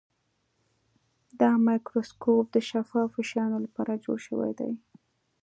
دا مایکروسکوپ د شفافو شیانو لپاره جوړ شوی دی.